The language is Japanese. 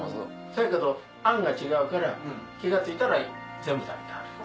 せやけどあんが違うから気が付いたら全部食べてはる。